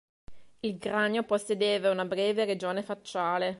Il cranio possedeva una breve regione facciale.